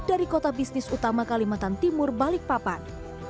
dari kota bisnis utama kalimantan timur balikpapan